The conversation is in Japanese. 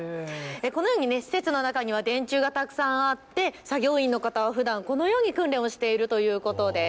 このように施設の中には電柱がたくさんあって作業員の方はふだん、このように訓練をしているということです。